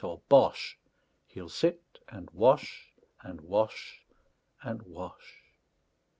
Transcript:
or "Bosh!" He'll sit and wash, and wash, and wash!